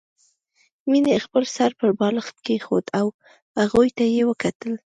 مينې خپل سر پر بالښت کېښود او هغوی ته يې وکتل